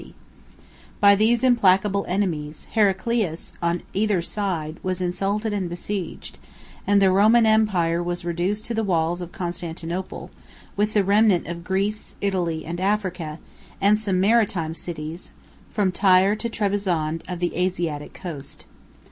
70 By these implacable enemies, Heraclius, on either side, was insulted and besieged: and the Roman empire was reduced to the walls of Constantinople, with the remnant of Greece, Italy, and Africa, and some maritime cities, from Tyre to Trebizond, of the Asiatic coast.